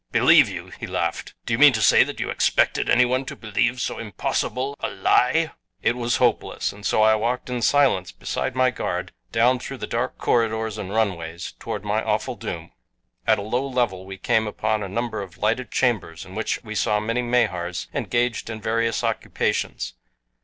"Believe you!" he laughed. "Do you mean to say that you expected any one to believe so impossible a lie?" It was hopeless, and so I walked in silence beside my guard down through the dark corridors and runways toward my awful doom. At a low level we came upon a number of lighted chambers in which we saw many Mahars engaged in various occupations.